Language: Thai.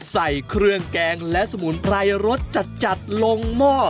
ใส่เครื่องแกงและสมุนไพรรสจัดลงหม้อ